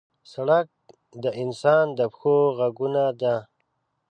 سړک د انسان د پښو غزونه ده.